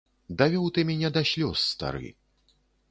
Давёў ты мяне да слёз, стары.